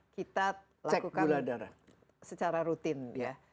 kita lakukan secara rutin ya